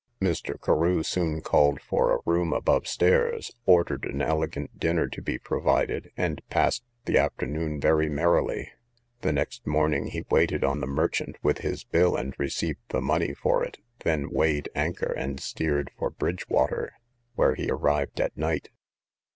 Mr. Carew soon called for a room above stairs, ordered an elegant dinner to be provided, and passed the afternoon very merrily. The next morning he waited on the merchant with his bill, and received the money for it; then weighed anchor, and steered for Bridgewater, where he arrived at night.